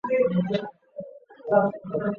嫁钱塘贡士丁睿为妻。